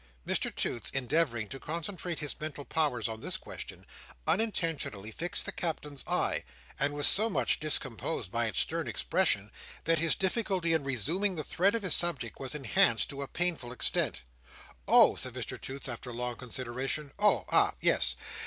Mr Toots, endeavouring to concentrate his mental powers on this question, unintentionally fixed the Captain's eye, and was so much discomposed by its stern expression, that his difficulty in resuming the thread of his subject was enhanced to a painful extent. "Oh!" said Mr Toots after long consideration. "Oh, ah! Yes!